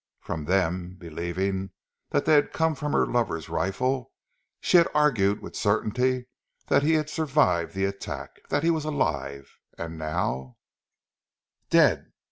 From them, believing they had come from her lover's rifle, she had argued with certainty that he had survived the attack, that he was alive; and now Dead!